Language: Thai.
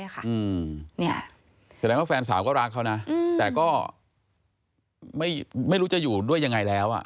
แสดงว่าแฟนสาวก็รักเขานะแต่ก็ไม่รู้จะอยู่ด้วยยังไงแล้ว